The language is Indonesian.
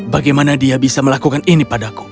bagaimana dia bisa melakukan ini padaku